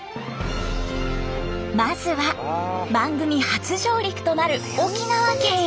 まずは番組初上陸となる沖縄県へ。